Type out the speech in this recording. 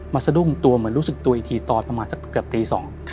สะดุ้งตัวเหมือนรู้สึกตัวอีกทีตอนประมาณสักเกือบตี๒